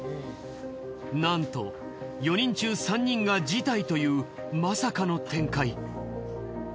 なんと４人中３人が辞退というまさかの展開。